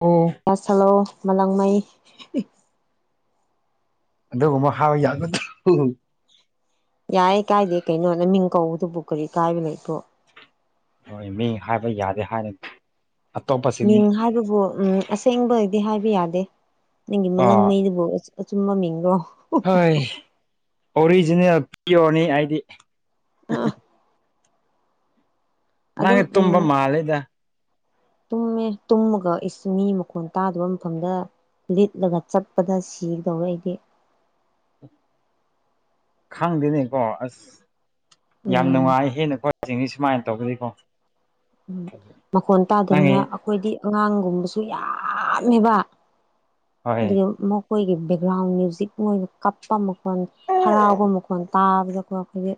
ꯑꯣ ꯑꯁꯂꯣ ꯃꯂꯥꯡꯃꯩ ꯑꯗꯨꯒꯨꯝꯕ ꯍꯥꯎ ꯌꯥꯒꯗ ꯌꯥꯏ ꯀꯥꯏꯗꯦ ꯀꯩꯅꯣꯗ ꯃꯤꯡ ꯀꯧꯕꯗꯨꯕꯨ ꯀꯔꯤ ꯀꯥꯏꯕ ꯂꯩꯕꯣ ꯍꯣꯏ ꯃꯤ ꯍꯥꯏꯕ ꯌꯥꯗꯦ ꯍꯥꯏꯅ ꯑꯇꯣꯞꯄꯁꯤꯡꯗꯤ ꯃꯤꯡ ꯍꯥꯏꯕꯕꯨ ꯎꯝ ꯑꯁꯦꯡꯕꯗꯤ ꯍꯥꯏꯕ ꯌꯥꯗꯦ ꯅꯪꯒꯤ ꯑꯥ ꯃꯂꯪꯉꯩꯗꯨꯕꯨ ꯑꯆꯨꯝ ꯃ ꯃꯤꯡꯒꯣ ꯍꯣꯏ ꯑꯣꯔꯤꯖꯤꯅꯦꯜ ꯄꯤꯌꯣꯔꯅꯤ ꯍꯥꯏꯗꯤ ꯑꯥ ꯅꯪ ꯇꯨꯝꯕꯥ ꯎꯝ ꯃꯥꯜꯗ ꯇꯨꯝꯃꯦ ꯇꯨꯝꯃꯒ ꯏꯁ ꯃꯤ ꯃꯈꯣꯟ ꯇꯥꯗꯕ ꯃꯐꯝꯗ ꯂꯤꯠꯂꯒ ꯆꯠꯄꯗ ꯁꯤꯗꯧꯔꯗꯤ ꯎꯝ ꯈꯪꯗꯦꯅꯦꯀꯣ ꯑꯁ ꯌꯥꯝ ꯎꯝ ꯅꯨꯡꯉꯥꯏ ꯍꯦꯟꯅ ꯈꯣꯠꯅ ꯆꯤꯡꯉꯤ ꯁꯨꯃꯥꯏꯅ ꯇꯧꯕꯗꯤꯀꯣ ꯎꯝ ꯃꯈꯣꯟ ꯅꯪꯒꯤ ꯇꯥꯗꯅꯤꯅ ꯑꯩꯈꯣꯏꯗꯤ ꯑꯉꯥꯡꯒꯨꯝꯕꯁꯨ ꯌꯥꯝ ꯍꯥꯝꯃꯦꯕ ꯍꯣꯏ ꯑꯗꯨꯗꯒꯤ ꯑꯃꯨꯛ ꯑꯩꯈꯣꯏꯒꯤ ꯕꯦꯛꯒ꯭ꯔꯥꯎꯟ ꯃ꯭ꯌꯨꯖꯤꯛ ꯃꯣꯏꯅ ꯀꯞꯄ ꯃꯈꯣꯟ ꯍꯔꯥꯎꯕ ꯃꯈꯣꯟ ꯇꯥꯕꯗꯀꯣ ꯑꯩꯈꯣꯏꯒꯤ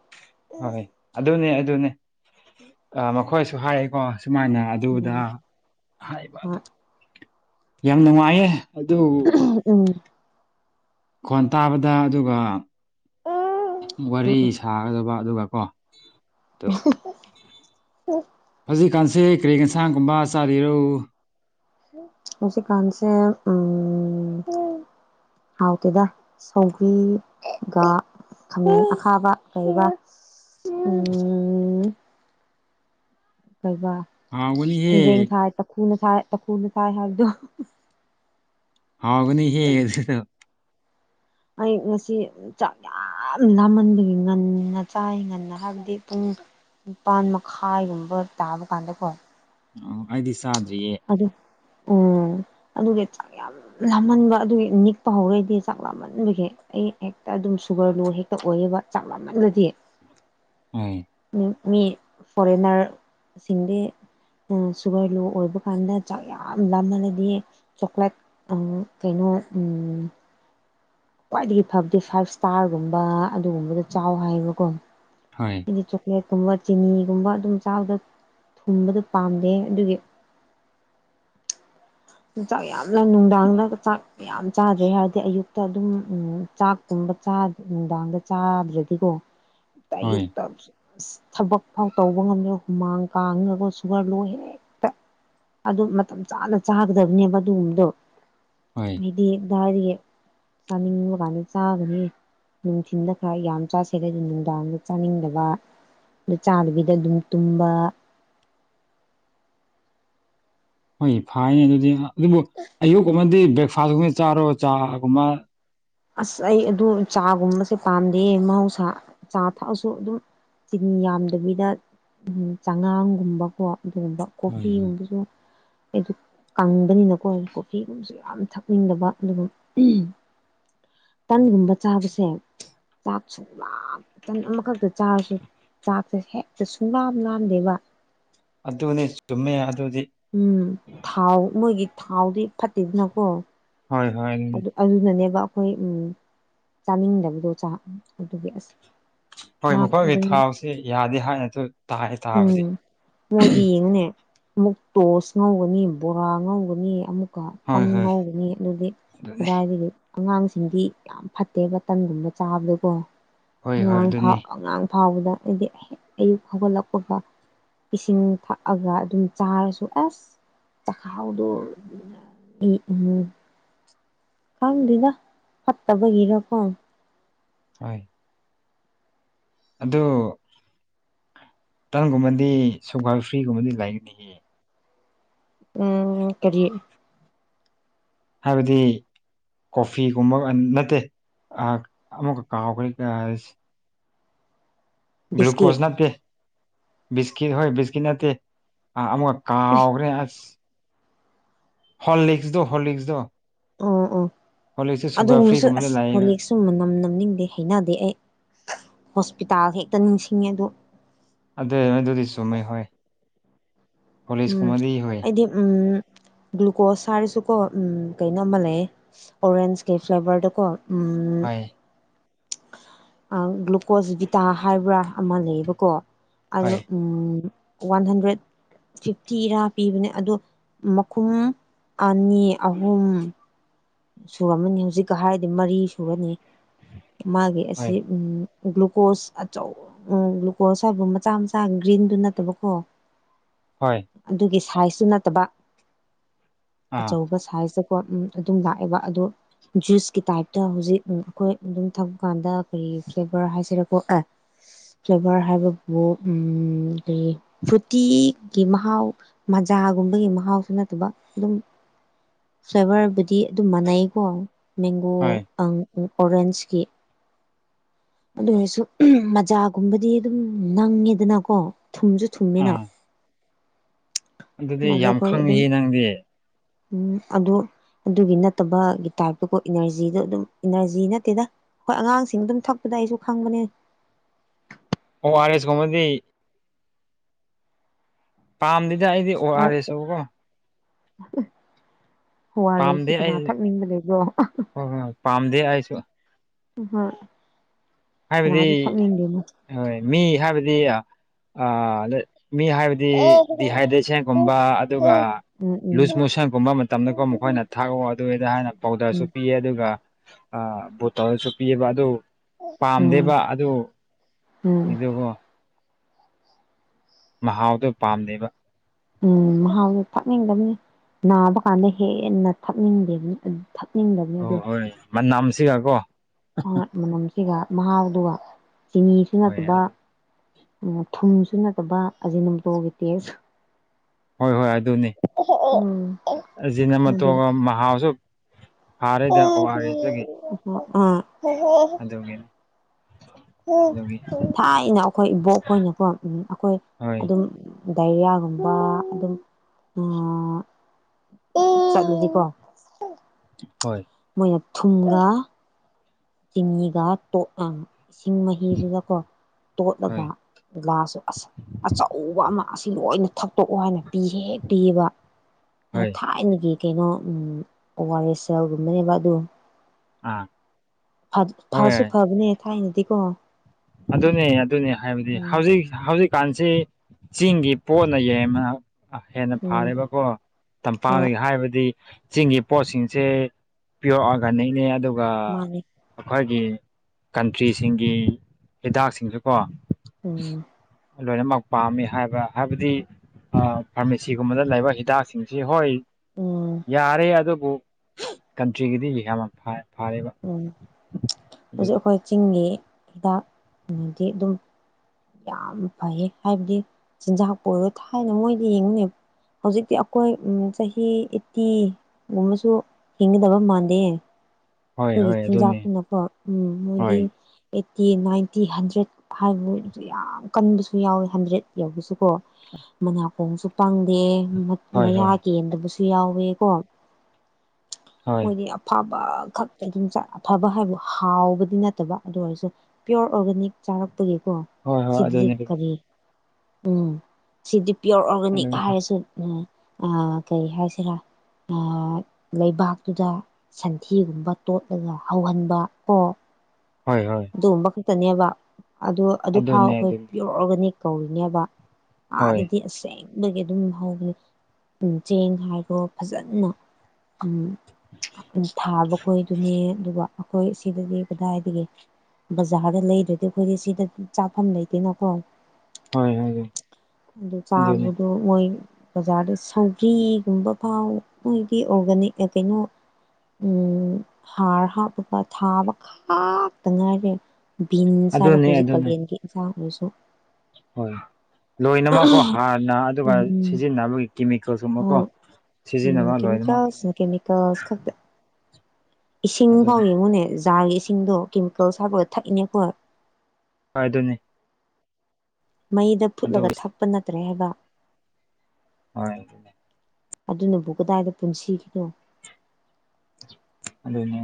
ꯍꯣꯏ ꯑꯗꯨꯅꯦ ꯑꯗꯨꯅꯦ ꯃꯈꯣꯏꯁꯨ ꯍꯥꯏꯔꯦꯀꯣ ꯑꯨꯃꯥꯏꯅ ꯑꯗꯨꯗ ꯎꯝ ꯍꯥꯏꯕ ꯑꯗꯨ ꯌꯥꯝ ꯅꯨꯡꯉꯥꯏꯌꯦ ꯑꯗꯨꯗ ꯎꯝ ꯈꯣꯟ ꯇꯥꯕꯗ ꯑꯗꯨꯒ ꯋꯥꯔꯤ ꯁꯥꯒꯗꯕ ꯑꯗꯨꯒ ꯋꯥ [unintelligible] ꯀꯥꯟꯁꯦ ꯀ꯭ꯔꯔꯤ ꯌꯦꯟꯁꯥꯡꯒꯨꯝꯕ ꯆꯥꯕꯤꯔꯨ ꯎ ꯎꯆꯁꯤ ꯀꯥꯟꯁꯦ ꯎꯝ ꯍꯥꯎ ꯇꯦꯗ ꯁꯧꯔꯤꯒ ꯊꯃꯦꯟ ꯑꯈꯥꯕ ꯂꯩꯕ ꯎꯝ ꯀꯕꯟꯖꯦꯡ ꯍꯥꯎꯒꯅꯤꯍꯦ ꯊꯥꯏ ꯈꯅ ꯊꯥꯏ ꯈꯨꯅ ꯊꯥꯏ ꯍꯥꯏꯔꯗꯣ ꯍꯥꯎꯅꯤ ꯍꯦ ꯑꯗꯨ ꯑꯩ ꯉꯁꯤ ꯆꯥꯛ ꯌꯥꯝ ꯂꯥꯝꯃꯟꯕꯒꯤ ꯉꯟꯅ ꯆꯥꯏ ꯉꯟꯅ ꯍꯥꯏꯕꯗꯤ ꯄꯨꯡ ꯅꯤꯄꯥꯥꯟ ꯃꯈꯥꯏꯒꯨꯝꯕ ꯇꯥꯕ ꯀꯥꯟꯗꯀꯣ ꯑꯣ ꯑꯩꯗꯤ ꯆꯥꯗ꯭ꯔꯤꯌꯦ ꯑꯗꯨ ꯎꯝ ꯑꯗꯨꯒꯒꯤ ꯆꯥꯛ ꯌꯥꯝ ꯂꯥꯝꯃꯟꯕ ꯑꯗꯨꯒꯤ ꯅꯤꯛꯄ ꯍꯧꯔꯩꯗꯤ ꯆꯥꯛ ꯂꯥꯝꯃꯟꯕꯒꯤ ꯑꯩ ꯍꯦꯛꯇ ꯑꯗꯨꯝ ꯁꯨꯒꯔ ꯂꯣ ꯍꯦꯛꯇ ꯑꯣꯏꯌꯦꯦꯕ ꯆꯥꯡ ꯃꯝꯃꯗꯗꯤ ꯍꯣꯏ ꯃꯤ ꯐꯣꯔꯦꯟꯅꯔ ꯁꯤꯡꯗꯤ ꯁꯨꯒꯔ ꯂꯣ ꯑꯣꯏꯕ ꯀꯥꯟꯗ ꯆꯥꯡ ꯌꯥꯝ ꯂꯥꯍꯜꯂꯗꯤ ꯆꯣꯀ꯭ꯂꯦꯠ ꯀꯩꯅꯣ ꯈ꯭ꯋꯥꯏꯗꯒꯤ ꯐꯕꯗꯤ ꯐꯥꯏꯚ ꯏꯁꯇꯥꯔꯒꯨꯝꯕ ꯑꯗꯨꯒꯨꯝꯕꯗ ꯆꯥꯎ ꯍꯥꯏꯌꯦꯕꯀꯣ ꯍꯣꯏ ꯏꯗꯤ ꯆꯀ ꯀꯨꯝꯕ ꯆꯤꯅꯤꯒꯨꯝꯕ ꯑꯗꯨꯝ ꯆꯥꯕꯗ ꯊꯨꯝꯕꯗ ꯄꯥꯝꯗꯦ ꯑꯗꯨꯒꯤ ꯆꯥꯛ ꯌꯥꯝꯅ ꯅꯨꯡꯗꯥꯡꯗ ꯆꯥꯛ ꯌꯥꯝ ꯆꯥꯗ꯭ꯔꯦ ꯍꯥꯏꯔꯗꯤ ꯑꯌꯨꯛꯇ ꯑꯗꯨꯝ ꯎ ꯆꯥꯛꯀꯨꯝꯕ ꯅꯨꯡꯗꯥꯡꯗ ꯆꯥꯗ꯭ꯔꯗꯤꯀꯣ ꯇ ꯍꯣꯏ ꯌꯨꯛꯇꯝꯁ ꯑ ꯊꯕꯛ ꯐꯥꯎ ꯇꯧꯕ ꯉꯝꯃꯦ ꯍꯨꯃꯥꯡ ꯀꯥꯡꯉꯒ ꯁꯨꯒꯔ ꯂꯣ ꯍꯦꯛꯇ ꯑꯗꯨ ꯃꯇꯝ ꯆꯥꯅ ꯆꯥꯒꯗꯕꯅꯦꯕ ꯑꯗꯨꯒꯨꯝꯕꯗꯣ ꯍꯣꯏ ꯍꯥꯏꯗꯤ ꯗꯥꯔꯤ ꯆꯥꯅꯤꯡꯕ ꯀꯥꯟꯗ ꯆꯥꯒꯅꯤ ꯅꯨꯡꯊꯤꯟꯜꯗ ꯈꯔ ꯌꯥꯝ ꯆꯥꯥꯁꯦꯗ ꯑꯗꯨ ꯅꯨꯡꯗꯥꯡꯗ ꯆꯥꯅꯤꯡꯗꯕ ꯑ ꯆꯥꯗꯕꯤꯗ ꯑꯗꯨꯝ ꯇꯨꯝꯕ [unintelligible] ꯍꯣꯏ ꯐꯅꯦ ꯑꯗꯨꯗꯤ ꯑꯗꯨꯕꯨ ꯑꯌꯨꯛ ꯑꯃꯗꯤ ꯕ꯭ꯔꯦꯛꯐꯥꯁꯀꯨꯝꯕ ꯆꯥꯔꯣ ꯆꯥꯒꯨꯝꯕ ꯑꯁ ꯑꯩ ꯑꯗꯨ ꯆꯥꯒꯨꯝꯕꯁꯦ ꯄꯥꯝꯗꯦ ꯃꯍꯧꯁꯥ ꯆꯥ ꯊꯛꯑꯁꯨ ꯑꯗꯨꯝ ꯆꯤꯅꯤ ꯌꯥꯝꯗꯕꯤꯗ ꯎ ꯆꯉꯥꯡꯒꯨꯝꯕꯀꯣ ꯑꯗꯨꯒꯨꯝꯕ ꯍꯣꯏ ꯍꯣꯏ ꯀꯣꯐꯤꯒꯨꯝꯕꯁꯨ ꯑꯩ ꯀꯪꯕꯅꯤꯅꯀꯣ ꯀꯣꯐꯤꯒꯨꯝꯕꯁꯨ ꯌꯥꯝ ꯊꯛꯅꯤꯡꯗꯕ ꯑꯗꯨꯒ ꯇꯟꯒꯨꯝꯕ ꯆꯥꯕꯁꯦ ꯆꯥꯛ ꯁ ꯇꯟ ꯑꯃꯈꯛꯇ ꯆꯥꯔꯁꯨ ꯆꯥꯛꯁꯦ ꯍꯦꯛꯇ ꯁꯨꯡꯂꯥꯝ ꯂꯥꯝꯗꯦꯕ ꯑꯗꯨ ꯑꯗꯨꯅꯦ ꯆꯨꯝꯃꯦ ꯑꯗꯨꯗꯤ ꯎꯝ ꯊꯥꯎ ꯃꯣꯏꯒꯤ ꯊꯥꯎꯗꯤ ꯐꯠꯇꯦꯗꯅꯀꯣ ꯍꯣꯏ ꯍꯣꯏ ꯑꯗꯨꯅꯤ ꯑꯗꯨ ꯑꯗꯨꯅꯅꯦꯕ ꯑꯩꯈꯣꯏ ꯎ ꯆꯥꯅꯤꯡꯗꯕꯗꯣ ꯆ ꯑꯗꯨꯒꯤ ꯑꯁ ꯍꯣꯏ ꯆꯥꯛ ꯃꯈꯣꯏꯒꯤ ꯑꯗꯨꯝ ꯊꯥꯎꯁꯤ ꯌꯥꯗꯦ ꯍꯥꯏꯅꯁꯨ ꯇꯥꯏ ꯊꯥꯕꯗꯤ ꯎꯝ ꯃꯣꯏꯗꯤ ꯌꯦꯡꯉꯨꯅꯦ ꯑꯃꯨꯛ ꯇꯣꯁ ꯉꯧꯒꯅꯤ ꯕꯣꯔꯥ ꯉꯧꯒꯅꯤ ꯑꯃꯨꯛ ꯀꯣ ꯄꯟ ꯍꯣꯏ ꯍꯣꯏ ꯉꯧꯕꯅꯤ ꯑꯗꯨꯗꯤ ꯑꯗꯨꯅꯤ ꯀꯗꯥꯏꯒꯤꯗꯤ ꯑꯉꯥꯡꯁꯤꯡꯗꯤ ꯌꯥꯝ ꯐꯠꯇꯦꯕꯟꯒꯨꯝꯕ ꯆꯥꯕꯗꯨꯀꯣ ꯍꯣꯏ ꯍꯣꯏ ꯑꯉꯥꯡ ꯑꯗꯨꯅꯤ ꯐꯥꯎ ꯑꯉꯥꯡ ꯑꯐꯥꯎꯕꯗ ꯍꯥꯏꯗꯤ ꯑꯌꯨꯛ ꯍꯧꯒꯠꯂꯛꯄꯒ ꯏꯁꯤꯡ ꯊꯛꯑꯒ ꯑꯗꯨꯝ ꯆꯥꯔꯁꯨ ꯑꯁ ꯆꯈꯥꯎꯗꯣ ꯎ ꯎꯝ ꯀꯪ ꯂꯤꯗ ꯍꯠꯇꯕꯒꯤꯔ ꯀ ꯍ ꯑꯗꯣ ꯇꯪꯒꯨꯝꯕꯗꯤ ꯁꯨꯚꯜ ꯐ꯭ꯔꯤꯒꯨꯝꯕꯗꯤ ꯂꯩꯒꯅꯤ ꯎꯝ ꯀꯔꯤ ꯍꯥꯏꯕꯗꯤ ꯀꯣꯐꯤꯒꯨꯝꯕ ꯅꯠꯇꯦ ꯑꯃꯨꯛꯀ ꯀꯥꯎꯈ ꯕꯤꯁꯀꯤꯠ ꯒ꯭ꯂꯨꯀꯣꯁ ꯅꯠꯇꯦ ꯕꯤꯁꯀꯤꯠ ꯍꯣꯏ ꯕꯤꯁꯀꯤꯠ ꯅꯠꯇꯦꯥ ꯑꯃꯨꯛ ꯀꯥ ꯑꯣꯈ꯭ꯔꯦꯁ ꯍꯣꯜ ꯂꯤꯛꯁꯗꯣ ꯍꯣ ꯂꯤꯛꯁꯗꯣ ꯎꯝ ꯎꯝ ꯑꯗꯨꯒꯨꯝꯕꯁꯨ ꯐ꯭ꯔꯤꯒꯨꯝꯕꯗ ꯑꯁ ꯂꯩꯌꯦꯕ ꯍꯣꯂꯤꯛꯁꯨ ꯃꯅꯝ ꯅꯝꯅꯤꯡꯗꯦ ꯍꯩꯅꯗꯦ ꯑꯩ ꯍꯣꯁꯄꯤꯇꯥꯜ ꯍꯦꯛꯇ ꯅꯤꯡꯁꯤꯡꯉꯤ ꯑꯗꯣ ꯑꯗꯨ ꯅ ꯑꯗꯨꯗꯤ ꯆꯨꯝꯃꯦꯩ ꯍꯣꯏ ꯎꯝ ꯍꯣꯔꯂꯤꯛꯁꯀꯨꯝꯕꯗꯤ ꯍꯣꯏ ꯍꯥꯏꯗꯤ ꯎꯝ ꯒ꯭ꯂꯨꯀꯣꯁ ꯍꯥꯏꯔꯁꯨꯀꯣ ꯎ ꯀꯩꯅꯣꯝꯃ ꯂꯩ ꯑꯣꯔꯦꯟꯁꯀꯤ ꯐ꯭ꯂꯦꯕꯔꯗꯀꯣ ꯎꯝ ꯍꯣꯏ ꯒ꯭ꯂꯨꯀꯣꯁ ꯚꯤꯇꯥ ꯍꯥꯏꯕ꯭ꯔꯥ ꯑꯃ ꯂꯩꯌꯦꯕꯀꯣ ꯑꯗꯣ ꯍꯣꯏ ꯋꯥꯟ ꯍꯟꯗ꯭ꯔꯦꯠ ꯐꯤꯐꯇꯤꯔꯥ ꯄꯤꯕꯅꯦ ꯑꯗꯣ ꯃꯈꯨꯝ ꯑꯅꯤ ꯑꯍꯨꯝ ꯁꯨꯔꯝꯃꯅꯤ ꯍꯧꯖꯤꯛꯀ ꯍꯥꯏꯔꯗꯤ ꯃꯔꯤ ꯁꯨꯔꯅꯤ ꯃꯥꯒꯤ ꯑꯁꯤ ꯍꯣꯏ ꯒ꯭ꯂꯨꯀꯣꯁ ꯑꯆꯧ ꯎꯝ ꯒ꯭ꯂꯨꯀꯣꯁ ꯍꯥꯏꯕ ꯃꯆꯥ ꯃꯆꯥ ꯒ꯭ꯔꯤꯟꯗꯨ ꯅꯠꯇꯕꯀꯣ ꯍꯣꯏ ꯑꯗꯨꯒꯤ ꯁꯥꯏꯖꯇꯨ ꯅꯠꯇꯕ ꯑꯥ ꯑꯆꯧꯕ ꯁꯥꯏꯖ ꯎꯝ ꯑꯗꯨꯝ ꯂꯥꯛꯑꯦꯕ ꯑꯗꯨ ꯖꯨꯁꯀꯤ ꯇꯥꯏꯞꯇ ꯍꯧꯖꯤꯛ ꯑꯩꯈꯣꯏ ꯑꯗꯨꯝ ꯊꯄ ꯀꯥꯟꯗ ꯀꯔꯤ ꯐ꯭ꯂꯦꯚꯔ ꯍꯥꯏꯁꯤꯔꯦꯀꯣ ꯑꯦ ꯐ꯭ꯂꯦꯚꯔ ꯍꯥꯏꯕꯕꯨ ꯎ ꯀ ꯐ꯭ꯔꯨꯇꯤꯒꯤ ꯃꯍꯥꯎ ꯆꯥꯒꯨꯝꯕꯒꯤ ꯃꯍꯥꯎꯁꯨ ꯅꯠꯇꯕ ꯑꯗꯨꯝ ꯐ꯭ꯂꯦꯕꯔ ꯑꯗꯨꯝ ꯃꯥꯟꯅꯩꯀꯣ ꯃꯦꯡꯒꯣ ꯍꯣꯏ ꯑꯣꯔꯦꯟꯁꯀꯤ ꯑꯗꯨ ꯑꯣꯏꯔꯁꯨ ꯃꯖꯥꯒꯨꯝꯕꯗꯤ ꯑꯗꯨꯝ ꯅꯪꯉꯦꯗꯅꯀꯣ ꯊꯨꯝꯁꯨ ꯊꯨꯝꯃꯤꯅ ꯑꯥ ꯑꯗꯨꯗꯤ ꯃꯥꯗꯤ ꯌꯥꯝ ꯑꯩꯈꯣꯏ ꯑꯗꯨꯝ ꯈꯪꯉ ꯅꯪꯗꯤ ꯎꯝ ꯑꯗꯨ ꯑꯗꯨꯒꯤ ꯅꯠꯇꯕꯒꯤ ꯇꯥꯏꯞꯇꯀꯣ ꯏꯅꯔꯖꯤꯗꯣ ꯑꯗꯨꯝ ꯏꯅꯔꯖꯤ ꯅꯠꯇꯦꯗ ꯍꯣꯏ ꯑꯉꯥꯡꯁꯤꯡ ꯑꯗꯨꯝ ꯊꯛꯄꯗ ꯑꯩꯁꯨ ꯈꯪꯕꯅꯦ [unintelligible] ꯋꯥꯔ ꯑꯦꯁ ꯀꯃꯗꯤ ꯄꯥꯝꯗꯗꯤ ꯑꯩꯗꯤ ꯑꯣꯔꯛꯔꯦ ꯁꯧꯕꯀꯣ [unintelligible] ꯍꯔꯦ ꯁꯤ ꯄꯥꯝꯗꯦ ꯑꯩ ꯀꯅꯥ ꯊꯛꯅꯤꯡꯕ ꯂꯩꯕꯣ ꯍꯣꯏ ꯍꯣꯏ ꯄꯥꯝꯗꯦ ꯑꯩꯁꯨ ꯍꯝ ꯍꯥꯏꯕꯗꯤ ꯍꯣꯏ ꯃꯤ ꯍꯥꯏꯕꯗꯤ ꯑ ꯃꯤ ꯍꯥꯏꯕꯗꯤ ꯎꯝ ꯗꯤꯍꯥꯏꯗ꯭ꯔꯦꯁꯟꯒꯨꯝꯕ ꯑꯗꯨꯒ ꯎꯝ ꯂꯨꯖ ꯃꯣꯁꯟꯒꯨꯝꯕ ꯃꯇꯝꯗꯀꯣ ꯃꯈꯣꯏꯅ ꯊꯥꯛꯑꯣ ꯑꯗꯨꯏꯗ ꯍꯥꯏꯅ ꯄꯥꯎꯗꯔꯁꯨ ꯎꯝ ꯄꯤꯌꯦ ꯑꯗꯨꯒ ꯑ ꯣꯇꯥꯔꯁꯨ ꯄꯤꯕꯗꯣ ꯎꯝ ꯄꯥꯝꯗꯦꯕ ꯎꯝ ꯑꯗꯨꯗꯨꯕꯨ ꯃꯍꯥꯎꯗꯨꯣ ꯄꯥꯝꯅꯦꯕ ꯎꯝ ꯃꯍꯥꯎꯁꯦ ꯊꯛꯅꯤꯡꯗꯕꯅꯤ ꯅꯥꯕ ꯀꯥꯟꯗ ꯍꯦꯟꯅ ꯊꯛꯅꯤꯡꯗꯦꯕꯅꯤ ꯑꯗꯨ ꯊꯛꯅꯤꯡꯗꯕꯅꯤ ꯑꯣ ꯍꯣꯏ ꯃꯅꯝꯁꯤꯒ ꯀꯣ ꯃꯅꯝꯁꯤꯒ ꯃꯍꯥꯎꯗꯨꯒ ꯆꯤꯅꯤꯁꯨ ꯍꯣꯏ ꯅꯠꯇꯕ ꯊꯨꯝꯁꯨ ꯅꯠꯇꯕ ꯑꯖꯤꯅꯇꯣꯒꯤ ꯇꯦꯁ ꯍꯣꯏ ꯍꯣꯏ ꯑꯗꯨꯅꯤ ꯎꯝ ꯑꯁꯤꯅ ꯃꯇꯣ ꯑꯥ ꯃꯍꯥꯎꯁꯨ ꯐꯥꯔꯦꯗ ꯑꯣ ꯑꯥꯔ ꯑꯦꯁꯇꯒꯤ ꯑꯗꯨꯒꯤꯅꯤ [unintelligible] ꯑꯗꯨꯒꯤ ꯊꯥꯏꯅ ꯑꯩꯈꯣꯏ ꯏꯕꯣꯛꯈꯣꯏꯅꯀꯣ ꯎ ꯑꯩꯈꯣꯏ ꯍꯣꯏ ꯑꯗꯨꯝ ꯗꯥꯏꯔꯤꯌꯥꯒꯨꯝꯕ ꯑꯗꯨꯝ ꯎ ꯆꯀꯣ ꯍꯣꯏ ꯊꯨꯡꯒꯥ ꯆꯃꯤꯒ ꯇꯣ ꯑ ꯏꯁꯤꯡ ꯃꯍꯤꯗꯨꯗꯀꯣ ꯇꯣꯠꯂꯒ ꯍꯣꯏ ꯒ꯭ꯂꯥꯁꯁꯨ ꯑꯆꯧꯕ ꯑꯃ ꯑꯁꯤ ꯂꯣꯏꯅ ꯊꯛꯇꯣꯛꯑꯣ ꯍꯥꯏꯅ ꯄꯤꯍꯦꯛ ꯍꯦꯛ ꯄꯤꯌꯦꯕ ꯑ ꯍꯣꯏ ꯊꯥꯏꯅꯒꯤ ꯀꯩꯅꯣ ꯑꯣ ꯑꯥꯔ ꯑꯦꯁ ꯑꯦꯒꯨꯝꯕꯅꯦꯕ ꯑꯗꯨ ꯑꯥ ꯐꯁꯨ ꯍꯣꯏ ꯐꯕꯅꯦ ꯊꯥꯏꯅꯗꯤꯀꯣ ꯑꯗꯨꯅꯦ ꯑꯗꯨꯅꯦ ꯍꯥꯏꯕꯗꯤ ꯎꯝ ꯍꯧꯖꯤꯛ ꯍꯧꯖꯤꯛ ꯀꯥꯟꯁꯤ ꯆꯤꯡꯒꯤ ꯄꯣꯠꯅ ꯌꯦꯡꯕꯅ ꯑ ꯍꯦꯟꯅ ꯎꯝ ꯐꯔꯦꯕꯀꯣ ꯍꯣꯏ ꯇꯝꯄꯥꯛꯗꯒꯤ ꯍꯥꯏꯕꯗꯤ ꯆꯤꯡꯒꯤ ꯄꯣꯠꯁꯤꯡꯁꯦ ꯄꯤꯌꯣꯔ ꯑꯣꯔꯒꯥꯅꯤꯛꯅꯤ ꯑꯗꯨꯒ ꯃꯥꯅꯤ ꯑꯩꯈꯣꯏꯒꯤ ꯀꯟꯇ꯭ꯔꯤꯁꯤꯡꯒꯤ ꯍꯤꯗꯥꯛꯁꯤꯡꯁꯨꯀꯣ ꯎꯝ ꯂꯣꯏꯅꯃꯛ ꯄꯥꯝꯃꯤ ꯍꯥꯏꯕ ꯍꯥꯏꯕꯗꯤ ꯐꯥꯔꯃꯦꯥꯁꯤꯒꯨꯝꯕꯗ ꯂꯩꯕ ꯍꯤꯗꯥꯛꯁꯤꯡꯁꯤ ꯍꯣꯏ ꯎꯝ ꯌꯥꯔꯦ ꯑꯗꯨꯕꯨ ꯀꯟꯇ꯭ꯔꯤꯒꯤꯗꯤ ꯌꯥꯝ ꯐꯥꯏ ꯎꯝ ꯍꯧꯖꯤꯛ ꯑꯩꯈꯣꯏ ꯆꯤꯡꯒꯤ ꯍꯤꯗꯥꯛꯗꯤ ꯑꯗꯨꯝ ꯌꯥꯝ ꯐꯩꯌꯦ ꯍꯥꯏꯕꯗꯤ ꯆꯤꯟꯖꯥꯛꯄ ꯑꯣꯏꯔꯣ ꯊꯥꯏꯅ ꯃꯣꯏꯗꯤ ꯌꯦꯡꯉꯨꯅꯦꯕ ꯍꯧꯖꯤꯛꯇꯤ ꯑꯩꯈꯣꯏ ꯎ ꯆꯍꯤ ꯑꯦꯠꯇꯤ ꯨꯝꯃꯁꯨ ꯍꯤꯡꯒꯗꯕ ꯃꯥꯥꯟꯗ ꯑꯦ ꯍꯣꯏ ꯑꯩꯈꯣꯏꯒꯤ ꯍꯣꯏ ꯑꯗꯨꯅꯤ ꯆꯤꯟꯖꯥꯛꯇꯨꯅꯀꯣ ꯎꯝ ꯃꯣꯏꯗꯤ ꯍꯣꯏ ꯐꯠꯇꯤ ꯅꯥꯏꯟꯇꯤ ꯍꯟꯗ꯭ꯔꯦꯠ ꯍꯥꯏꯕꯁꯨ ꯌꯥꯝ ꯀꯟꯕꯁꯨ ꯌꯥꯎꯋꯦ ꯍꯟꯗ꯭ꯔꯦꯗ ꯌꯧꯕꯁꯨꯀꯣ ꯃꯅꯥꯀꯣꯡꯁꯨ ꯄꯪꯗꯦ ꯍꯣꯏ ꯃꯌꯥ ꯍꯣꯏ ꯀꯦꯟꯗꯕꯁꯨ ꯌꯥꯎꯋꯦꯀꯣ ꯍꯣꯏ ꯃꯣꯏꯗꯤ ꯑꯐꯕ ꯈꯛ ꯝꯊꯕ ꯍꯥꯏꯕꯨ ꯍꯥꯎꯕꯗꯤ ꯅꯠꯇꯕ ꯑꯗꯨ ꯑꯣꯏꯔꯁꯨ ꯄꯤꯌꯣꯔ ꯑꯣꯔꯒꯥꯅꯤꯛ ꯆꯥꯔꯛꯄꯒꯤ ꯀ ꯍꯣꯏ ꯍꯣꯏ ꯁꯤꯗꯔꯤ ꯑꯗꯨꯅꯤ ꯀꯔꯤ ꯎꯝ ꯁꯤꯗꯤ ꯄꯤꯌꯣꯔ ꯑꯣꯔꯒꯥꯅꯤꯛ ꯑꯗꯨ ꯍꯥꯏꯔꯁꯨ ꯎꯝ ꯀꯔꯤ ꯍꯥꯏꯁꯤꯔꯥ ꯂꯩꯕꯥꯛꯇꯨꯗ ꯁꯟꯊꯤꯒꯨꯝꯕ ꯇꯣꯠꯂꯒ ꯍꯧꯍꯟꯕ ꯀꯣ ꯍꯣꯏ ꯍꯣꯏ ꯈꯠꯇꯅꯦꯕ ꯑꯗꯨ ꯑꯗꯨꯐꯥꯎ ꯑꯗꯨꯅꯦ ꯑꯩꯈꯣꯏ ꯑꯗꯨꯅꯦ ꯄꯤꯌꯣꯔ ꯑꯣꯔꯒꯥꯅꯤꯛ ꯀꯧꯔꯤꯅꯦꯕ ꯑ ꯍꯣꯏ ꯑꯗꯨꯗꯤꯁꯦ ꯒꯤ ꯑꯗꯨꯝ ꯍꯧꯕꯅꯤ ꯆꯦꯡ ꯍꯥꯏꯈꯣ ꯐꯖꯅ ꯎ ꯊꯥꯕ ꯈꯣꯏꯗꯨꯅꯦ ꯑꯗꯨꯒ ꯑꯩꯈꯣꯏ ꯁꯤꯗꯗꯤ ꯀꯗꯥꯏꯒ ꯕꯖꯥꯔꯗ ꯂꯩꯗ꯭ꯔꯗꯤ ꯑꯩꯈꯣꯏꯗꯤ ꯁꯤꯗ ꯆꯥꯐꯝ ꯂꯩꯇꯦꯅꯀꯣ ꯍꯣꯏ ꯍꯣꯏ ꯑꯗꯨ ꯑꯗꯨꯅꯤ ꯆꯥꯕꯗ ꯃꯣꯏ ꯕꯖꯥꯔꯗ ꯁꯧꯒ꯭ꯔꯤꯒꯨꯝꯕ ꯐꯥꯎ ꯃꯣꯏꯒꯤ ꯑꯣꯔꯒꯥꯅꯤꯛ ꯀꯩꯅꯣ ꯎꯝ ꯍꯥꯔ ꯍꯥꯞꯄꯒ ꯊꯥꯕ ꯈꯥꯛꯇ ꯉꯥꯏꯔꯦ ꯕꯤꯟꯁ ꯍꯥꯏꯔꯣ ꯑꯗꯨꯅꯤ ꯍꯧꯖꯤꯛ ꯑꯗꯨꯅꯤ ꯀꯥꯂꯦꯟꯒꯤ ꯑꯦꯟꯁꯥꯡ ꯑꯣꯏꯁꯨ ꯍꯣꯏ ꯂꯣꯏꯅꯃꯛꯀꯣ ꯍꯥꯟꯅ ꯑꯗꯨꯒ ꯎꯝ ꯁꯤꯖꯤꯟꯅꯕꯒꯤ ꯀꯦꯃꯤꯀꯦꯜ ꯁꯨꯝꯕꯀꯣ ꯍꯣꯏ ꯁꯤꯖꯤꯟꯅ ꯃꯥꯜ ꯂꯣꯏ ꯑꯗꯨꯃꯛ ꯇ ꯈꯦ ꯏꯁꯤꯡ ꯐꯥꯎ ꯑꯗꯨꯅꯤ ꯌꯦꯡꯉꯨꯅꯦ ꯖꯥꯔꯒꯤ ꯏꯁꯤꯡꯗꯣ ꯀꯦꯃꯤꯀꯦꯜꯁ ꯍꯥꯞꯕꯗ ꯊꯛꯏꯅꯦꯀꯣ ꯐꯥꯏꯗꯅꯤ ꯃꯩꯗ ꯐꯨꯠꯂꯒ ꯊꯛꯄ ꯅꯠꯇ꯭ꯔꯦ ꯍꯥꯏꯕ ꯍꯣꯏ ꯑꯗꯨꯅꯕꯨ ꯀꯗꯥꯏꯗ ꯄꯨꯟꯁꯤꯒꯤꯅꯣ ꯑꯗꯨꯗ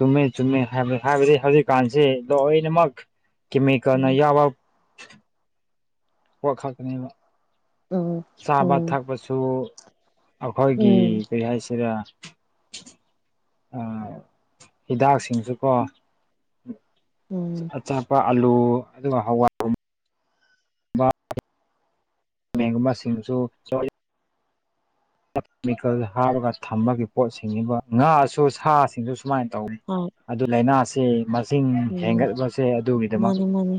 ꯆꯨꯝꯃꯦ ꯆꯨꯝꯃꯦ ꯍꯥꯏꯕ ꯍꯥꯏꯕꯗꯤ ꯍꯧꯖꯤꯛꯀꯥꯟꯁꯤꯦ ꯂꯣꯏꯅꯃꯛ ꯀꯃ ꯀꯅꯥ ꯎꯝ ꯌꯥꯕ ꯋꯥ ꯈꯥ ꯀꯅꯤꯅ ꯎꯝ ꯆꯥꯕ ꯎꯝ ꯊꯛꯄꯁꯨ ꯑꯩꯈꯣꯏꯒꯤ ꯎꯝ ꯀꯔꯤ ꯍꯥꯏꯁꯤꯔ ꯍꯤꯗꯥꯛꯁꯤꯡꯁꯨꯀꯣ ꯎꯝ ꯑꯆꯥꯄ ꯑꯥꯂꯨ ꯑꯗꯨꯒ ꯍꯋꯥ ꯃꯒꯨꯝ ꯃꯥ ꯁꯤꯁꯤꯡꯁꯨ ꯀꯦꯃꯤꯀꯦꯜ ꯍꯥꯞꯄꯒ ꯊꯝꯕꯒꯤ ꯄꯣꯠꯁꯤꯡꯅꯤꯕ ꯉꯥꯁꯨ ꯁꯥꯁꯤꯡꯗꯨ ꯁꯨꯃꯥꯏꯅ ꯇꯧꯅꯤ ꯍꯣꯏ ꯑꯗꯨ ꯂꯥꯏꯅꯥꯁꯤ ꯏ ꯎꯝ ꯍꯦꯟꯒꯠꯄꯁꯦ ꯑꯗꯨꯒꯤꯗꯃꯛ ꯃꯥꯅꯤ ꯃꯥꯅꯤ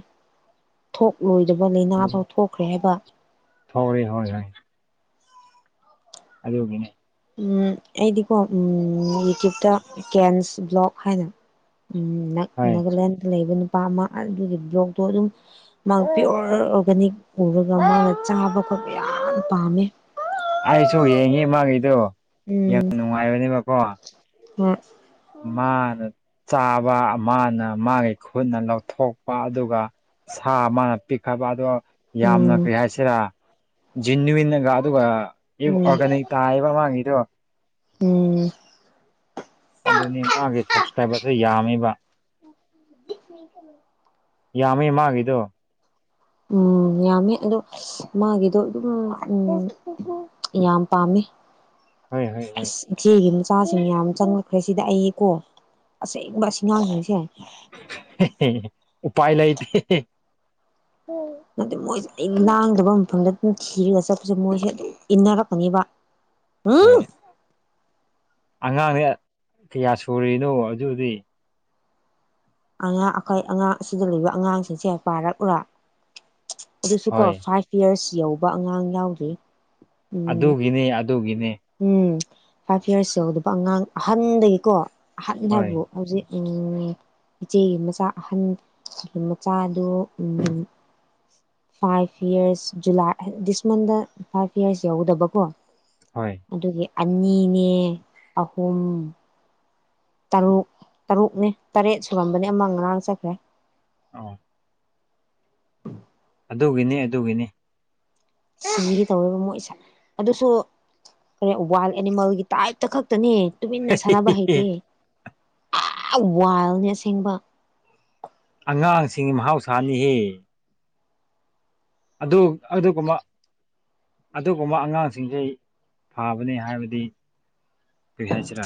ꯊꯣꯛꯂꯣꯏꯗꯕ ꯂꯥꯏꯅꯥ ꯐꯥꯎ ꯊꯣꯛꯈ꯭ꯔꯦ ꯍꯥꯏꯕ ꯍꯣꯏ ꯍꯣꯏ ꯍꯣꯏ ꯑꯗꯨꯗ ꯍꯒꯦꯅꯦ ꯑꯩꯗꯤꯀꯣ ꯌꯨꯇ꯭ꯌꯨꯕꯇ ꯀꯦꯟꯁ ꯕ꯭ꯂꯣꯛ ꯍꯥꯏꯅ ꯍꯣꯏ ꯅꯥꯒꯥꯂꯦꯟꯗ ꯂꯩꯕ ꯅꯨ ꯅꯨꯄꯥ ꯑꯃ ꯑꯗꯨꯒꯤ ꯕ꯭ꯂꯣꯛꯇꯣ ꯑꯗꯨꯝ ꯃꯥ ꯄꯤꯣꯔ ꯑꯣꯔꯒꯥꯅꯤꯛ ꯄꯨꯔꯒ ꯃꯥꯅ ꯆꯥꯕ ꯄꯥꯝꯃꯦ ꯑꯩꯁꯨ ꯌꯦꯡꯉꯤꯃꯉꯩꯗꯨꯣ ꯌꯥꯝ ꯅꯨꯡꯉꯥꯏꯕꯅꯦꯕꯀꯣ ꯋꯥ ꯃꯥꯅ ꯆꯥꯕ ꯃꯥꯅ ꯃꯥꯒꯤ ꯈꯨꯠꯅ ꯂꯧꯊꯣꯛꯄ ꯑꯗꯨꯒ ꯁꯥ ꯑꯃꯅ ꯄꯤꯛꯈꯕ ꯑꯗꯣ ꯌꯥꯝꯅ ꯎꯝ ꯀꯔꯤ ꯍꯥꯏꯁꯤꯔꯥ ꯖꯦꯅꯋꯟꯒ ꯑꯗꯨꯒ ꯑꯩ ꯎꯝ ꯑꯣꯔꯒꯥꯅꯤꯛ ꯇꯥ ꯍꯥꯏꯕ ꯃꯥꯡꯉꯤꯗꯣ ꯎꯝ ꯑꯗꯨꯅꯤ ꯃꯥꯒꯤ ꯁꯞꯁꯀ꯭ꯔꯥꯏꯕꯔꯁꯨ ꯌꯥꯝꯃꯤꯕ ꯌꯥꯝꯃꯦ ꯃꯥꯥꯡꯉꯗꯣ ꯎꯝ ꯌꯥꯝꯃꯦ ꯑꯗꯣ ꯃꯥꯒꯤꯗꯣ ꯑꯗꯨꯝ ꯎꯝ ꯌꯥꯝ ꯄꯥꯝꯃꯦ ꯍꯣꯏ ꯍꯣꯏ ꯊ ꯍꯣꯏ ꯆꯆꯥꯁꯤꯡ ꯌꯥꯝ ꯆꯪꯉꯛꯈ꯭ꯔꯦ ꯁꯤꯗ ꯑꯩꯀꯣ ꯑꯁꯦꯡꯕ ꯑꯁꯤꯉꯥꯡꯁꯤꯡꯁꯦ ꯎꯄꯥꯥꯏ ꯂꯩ ꯏꯇ ꯑꯗꯨꯗ ꯃꯣꯏꯁꯦ ꯑꯩ ꯂꯥꯡꯗꯕ ꯃꯐꯝꯗ ꯑꯗꯨꯝ ꯊꯤꯔꯒ ꯆꯠꯄꯁꯦ ꯃꯣꯏꯁꯦ ꯑꯗꯨꯝ ꯏꯟꯅꯔꯛꯀꯅꯤꯕ ꯎꯝ ꯍꯥꯏ ꯑꯉꯥꯡꯅꯦ ꯀꯌꯥ ꯁꯨꯔꯤꯅꯣ ꯑꯗꯨꯗꯤ ꯑꯉꯥꯡ ꯑꯩꯈꯣꯏ ꯑꯉꯥꯡ ꯑꯁꯤꯗ ꯂꯩꯕ ꯑꯉꯥꯡꯁꯤꯡꯁꯦ ꯄꯥꯔꯛꯎ꯭ꯔꯥ ꯑꯗꯨꯁꯨ ꯀꯣ ꯍꯣꯏ ꯐꯥꯏꯚ ꯌꯔꯁ ꯌꯧꯕ ꯑꯉꯥꯡ ꯌꯥꯎꯗ꯭ꯔꯤ ꯎꯝ ꯑꯗꯨꯒꯤꯅꯦ ꯑꯗꯨꯒꯤꯅꯦ ꯎꯝ ꯐꯥꯏꯚ ꯌꯔꯁ ꯌ ꯑꯗꯨꯒ ꯑꯉꯥꯡ ꯑꯍꯟꯗꯒꯤꯀꯣ ꯑꯍꯟ ꯍꯥꯏꯕꯨ ꯍꯣꯏ ꯍꯧꯖꯤꯛ ꯎꯝ ꯏꯆꯦꯒꯤ ꯃꯆꯥ ꯑꯍꯟ ꯃꯆꯥꯗꯨ ꯐꯥꯏꯚ ꯌꯔꯁ ꯖꯨꯂꯥꯏ ꯗꯤꯁ ꯃꯟꯗ ꯐꯥꯏꯚ ꯌꯔꯁ ꯌꯎꯗꯕꯀꯣ ꯍꯣꯏ ꯑꯗꯨꯒꯤ ꯑꯅꯤꯅꯦ ꯑꯍꯨꯝ ꯇꯔꯨꯛ ꯇꯔꯨꯛꯅꯦ ꯇꯔꯦꯠ ꯁꯨꯔꯝꯕꯅꯦ ꯑꯃꯪ ꯉꯔꯥꯡ ꯆꯠꯈ꯭ꯔꯦ ꯑ ꯑꯗꯨꯒꯤꯅꯤ ꯑꯗꯨꯒꯤꯅꯤ ꯁꯤꯒꯤ ꯇꯧꯦꯔꯤꯕ ꯃꯣꯏꯁꯦ ꯑꯗꯨꯁꯨ ꯀꯩꯅ ꯋꯥꯏꯜ ꯑꯦꯅꯤꯃꯦꯜꯒꯤ ꯇꯥꯏꯞꯇ ꯈꯛꯇꯅꯤ ꯇꯨꯃꯤꯟꯅ ꯁꯥꯟꯅꯕ ꯍꯩꯇꯦ ꯑ ꯋꯥꯜꯅꯦ ꯑꯁꯦꯡꯕ ꯑꯉꯥꯡꯁꯤꯡꯒꯤ ꯃꯍꯥꯎꯁꯥꯅꯤꯍ ꯑꯗꯨ ꯑꯗꯨ ꯀꯨꯝꯕ ꯑꯗꯨꯒꯨꯝꯕ ꯑꯉꯥꯡꯁꯤꯡꯁꯤ ꯐꯕꯅꯤ ꯍꯥꯏꯕꯗꯤ ꯄꯤꯍꯥꯆꯥ